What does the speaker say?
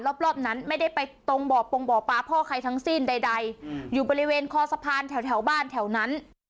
รอบนั้นไม่ได้ไปตรงบ่อปงบ่อปลาพ่อใครทั้งสิ้นใดอยู่บริเวณคอสะพานแถวบ้านแถวนั้น